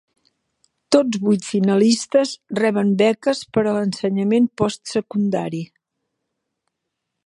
Tots vuit finalistes reben beques per a l'ensenyament postsecundari.